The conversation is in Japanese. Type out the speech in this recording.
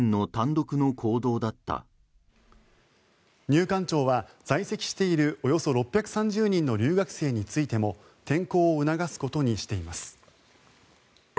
入管庁は在籍しているおよそ６３０人の留学生についても転校を促すことにしています。